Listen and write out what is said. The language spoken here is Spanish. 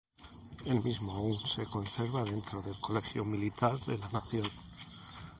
El mismo aún se conserva dentro del Colegio Militar de la Nación.